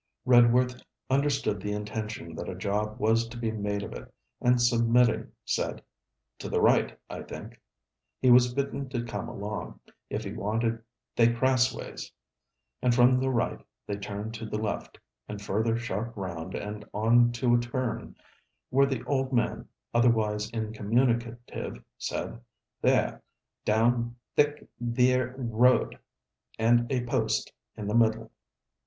Redworth understood the intention that a job was to be made of it, and submitting, said: 'To the right, I think.' He was bidden to come along, if he wanted 'they Crassways,' and from the right they turned to the left, and further sharp round, and on to a turn, where the old man, otherwise incommunicative, said: 'There, down thik theer road, and a post in the middle.'